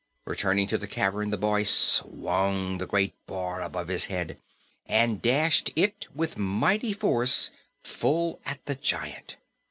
Returning to the cavern, the boy swung the great bar above his head and dashed it with mighty force full at the giant.